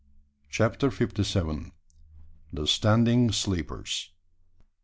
CHAPTER FIFTY SEVEN. The standing sleepers.